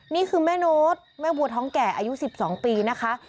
นี่คือแม่โน้ตแม่วัวท้องแก่อายุ๑๒ปีนะคะ